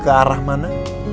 ke arah mana